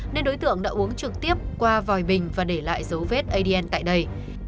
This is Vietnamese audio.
nên đối tượng đã uống trực tiếp qua vòi bình và để lại dấu vết adn tại đây